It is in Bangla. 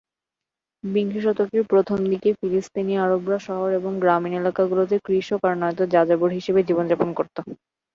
বিংশ শতকের প্রথম দিকে ফিলিস্তিনি আরবরা শহর এবং গ্রামীণ এলাকাগুলোতে কৃষক আর নয়তো যাযাবর হিসেবে জীবনযাপন করতো।